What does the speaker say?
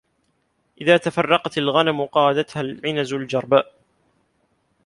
إذا تفرقت الغنم قادتها العنز الجرباء